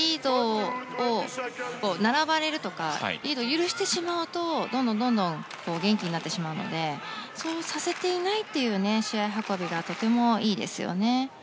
並ばれるとかリードを許してしまうとどんどんどんどん元気になってしまうのでそうさせていない試合運びがとてもいいですよね。